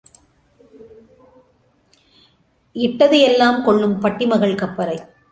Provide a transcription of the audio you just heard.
இட்டது எல்லாம் கொள்ளும் பட்டி மகள் கப்பரை.